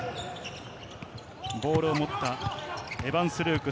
ボールを持ったエヴァンス・ルーク。